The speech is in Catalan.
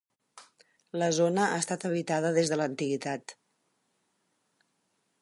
La zona ha estat habitada des de l'antiguitat.